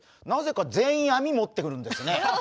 なぜか全員網を持ってくるんですね